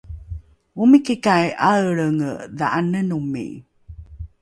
omikikai ’aelrenge dha’anenomi?